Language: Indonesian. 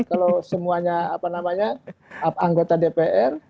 kalau semuanya anggota dpr